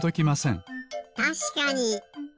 たしかに！